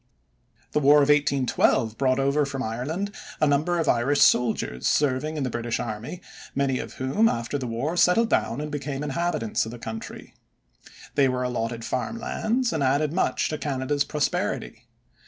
The War of 1812 brought over from Ireland a number of Irish soldiers serving in the British army, many of whom after the war settled down and became inhabitants of the country. They were allotted farm lands and added much to Canada's prosperity.